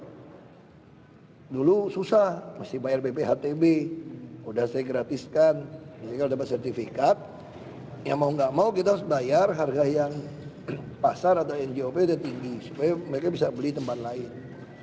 kalau dulu susah mesti bayar bp htb udah saya gratiskan jadi kalau dapat sertifikat ya mau nggak mau kita harus bayar harga yang pasar atau ngop dia tinggi supaya mereka bisa beli tempat lain